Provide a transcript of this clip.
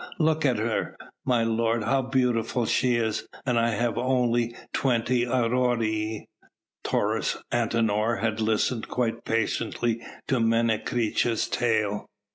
look at her, my lord, how beautiful she is! and I have only twenty aurei!" Taurus Antinor had listened quite patiently to Menecreta's tale.